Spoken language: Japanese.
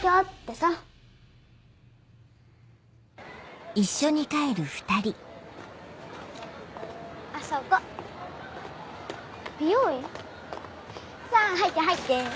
さぁ入って入って。